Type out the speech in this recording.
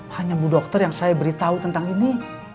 hanya bu dokter yang saya beritahu tentang ini